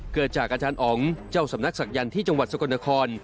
เกิดจากอาจารย์อ๋องเจ้าสำนักศักยันต์ที่จังหวัดสกลนคร